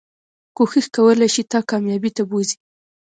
کوښښ کولی شي تا کاميابی ته بوځي